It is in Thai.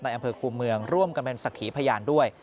อำเภอคูเมืองร่วมกันเป็นสักขีพยานด้วย